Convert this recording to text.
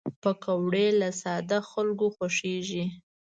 پکورې له ساده خلکو خوښېږي